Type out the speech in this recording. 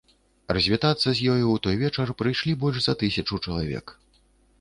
Развітацца з ёю ў той вечар прыйшлі больш за тысячу чалавек.